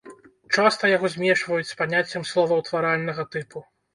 Часта яго змешваюць з паняццем словаўтваральнага тыпу.